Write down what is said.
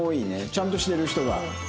ちゃんとしてる人が。